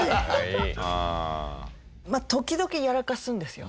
時々やらかすんですよ。